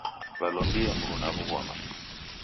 Walombie mruna w'ughoma.